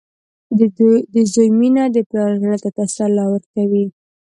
• د زوی مینه د پلار زړۀ ته تسل ورکوي.